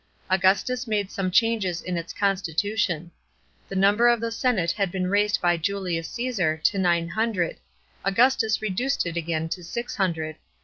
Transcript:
Augustus made some changes in it* constitution. The number of the senate had been raised by Julius Ca?sar to nine hundred; Augustus reduced it again to six hundred.